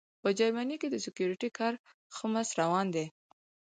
په جرمني کې د سیکیورټي کار ښه مست روان دی